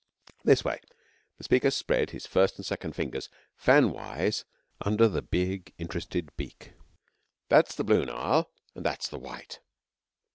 'This way.' The speaker spread his first and second fingers fanwise under the big, interested beak. 'That's the Blue Nile. And that's the White.